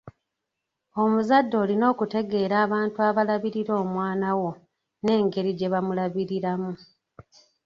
Omuzadde olina okutegeera abantu abalabirira omwanawo n’engeri gye bamulabiriramu.